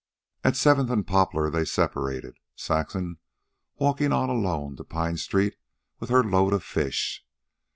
At Seventh and Poplar they separated, Saxon walking on alone to Pine street with her load of fish.